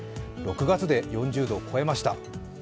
６月で４０度を超えました。